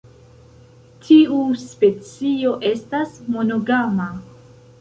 Tiu specio estas monogama.